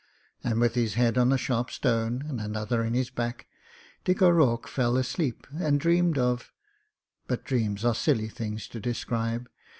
And with his head on a sharp stone and another in his back Dick O'Rourke fell asleep and dreamed of — ^but dreams are silly things to describe.